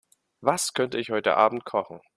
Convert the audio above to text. Was könnte ich heute Abend kochen?